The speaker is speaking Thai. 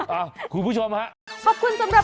เอ้าครูผู้ชมฮะ